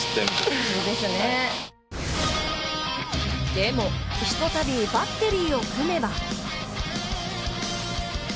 でも、一たびバッテリーを組めば。